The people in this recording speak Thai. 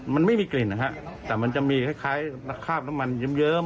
มันไม่มีกลิ่นนะฮะแต่มันจะมีคล้ายคราบน้ำมันเยิ้ม